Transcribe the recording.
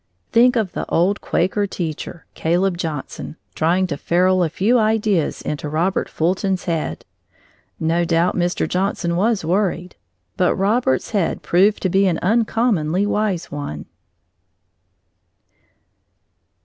Think of the old Quaker teacher, Caleb Johnson, trying to ferule a few ideas into Robert Fulton's head! No doubt Mr. Johnson was worried, but Robert's head proved to be an uncommonly wise one.